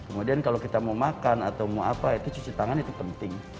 kemudian kalau kita mau makan atau mau apa itu cuci tangan itu penting